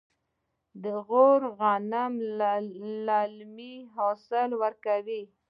د غور غنم للمي حاصل ورکوي.